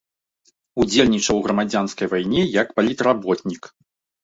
Удзельнічаў у грамадзянскай вайне як палітработнік.